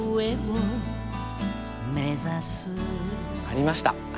ありました！